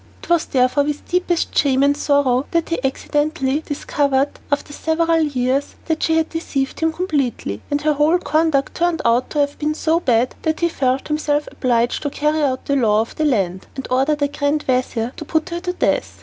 It was therefore with the deepest shame and sorrow that he accidentally discovered, after several years, that she had deceived him completely, and her whole conduct turned out to have been so bad, that he felt himself obliged to carry out the law of the land, and order the grand vizir to put her to death.